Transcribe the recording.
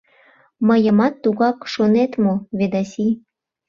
— Мыйымат тугак шонет мо, Ведаси?